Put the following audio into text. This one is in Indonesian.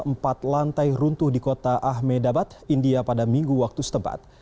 empat lantai runtuh di kota ahme dabat india pada minggu waktu setempat